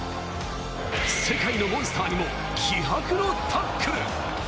世界のモンスターにも気迫のタックル！